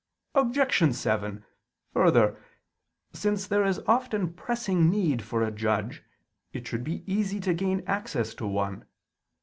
Obj. 7: Further, since there is often pressing need for a judge, it should be easy to gain access to one.